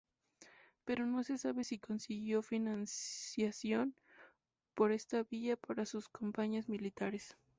Pero no se sabe si consiguió financiación por esta vía para sus campañas militares.